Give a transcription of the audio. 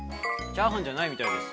チャーハンじゃないみたいです。